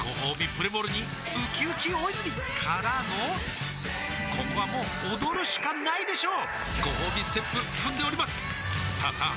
プレモルにうきうき大泉からのここはもう踊るしかないでしょうごほうびステップ踏んでおりますさあさあ